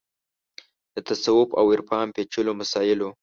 د تصوف او عرفان پېچلو مسایلو